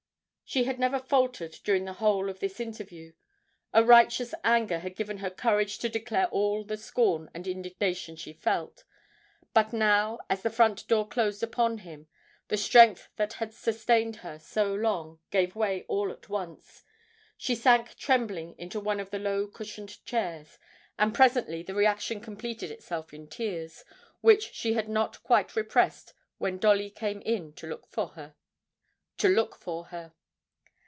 She had never faltered during the whole of this interview. A righteous anger had given her courage to declare all the scorn and indignation she felt. But now, as the front door closed upon him, the strength that had sustained her so long gave way all at once; she sank trembling into one of the low cushioned chairs, and presently the reaction completed itself in tears, which she had not quite repressed when Dolly came in to look for her.